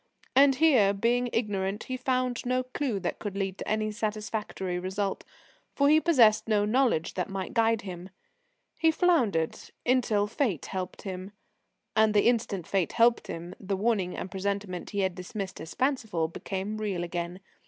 And here, being ignorant, he found no clue that could lead to any satisfactory result, for he possessed no knowledge that might guide him. He floundered until Fate helped him. And the instant Fate helped him, the warning and presentiment he had dismissed as fanciful, became real again.